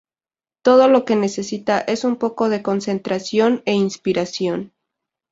Todo lo que necesita es un poco de concentración e inspiración.